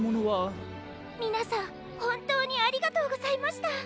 みなさんほんとうにありがとうございました。